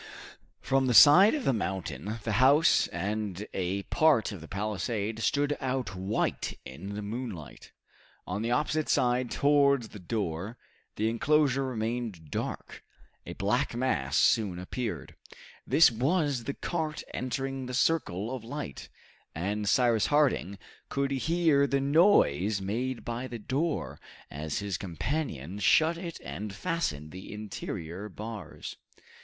From the side of the mountain, the house and a part of the palisade stood out white in the moonlight. On the opposite side towards the door, the enclosure remained dark. A black mass soon appeared. This was the cart entering the circle of light, and Cyrus Harding could hear the noise made by the door, as his companions shut it and fastened the interior bars.